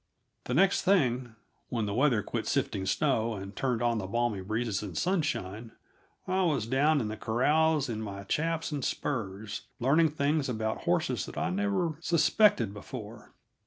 The next thing, when the weather quit sifting snow and turned on the balmy breezes and the sunshine, I was down in the corrals in my chaps and spurs, learning things about horses that I never suspected before.